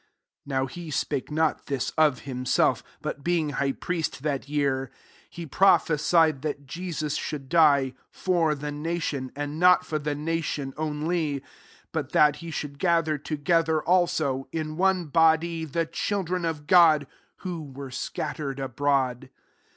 51 Now he spake not this of himself: but being high priest that year, he pro phesied that Jesus should die for the nation: 52 and not for the nation only; but that he should gather together, also, in one 6ody, the children of God, who were scattered abroad.